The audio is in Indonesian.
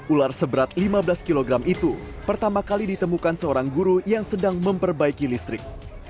ular seberat lima belas kg itu pertama kali ditemukan seorang guru yang sedang memperbaiki listrik